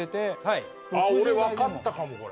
あっ俺わかったかもこれ。